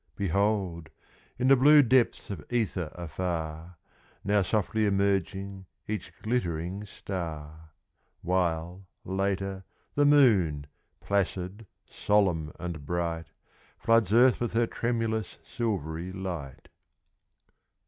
Behold, in the blue depths of ether afar, Now softly emerging each glittering star; While, later, the moon, placid, solemn and bright, Floods earth with her tremulous, silvery light.